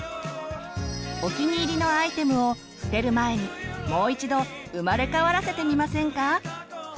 お気に入りのアイテムを捨てる前にもう一度生まれ変わらせてみませんか！